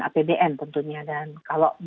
apbn tentunya dan kalau